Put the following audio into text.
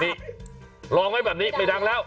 นี่รับให้แบบนี้อย่างนี้ไม่ดังแล้ว